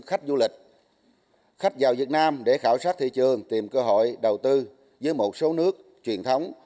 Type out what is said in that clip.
khách du lịch khách vào việt nam để khảo sát thị trường tìm cơ hội đầu tư với một số nước truyền thống